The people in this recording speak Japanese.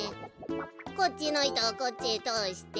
こっちのいとをこっちへとおして。